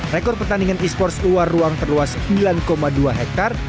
rekor pertandingan esports luar ruang terluas sembilan dua hektar